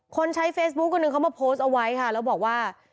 ใช้เฟซบุ๊คคนหนึ่งเขามาโพสต์เอาไว้ค่ะแล้วบอกว่า